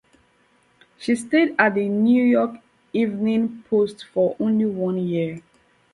She stayed at the New York Evening Post for only one year.